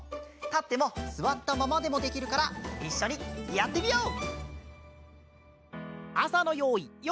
たってもすわったままでもできるからいっしょにやってみよう！